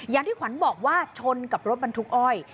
อย่างที่ขวัญบอกว่าชนกับรถบรรทุกอ้อย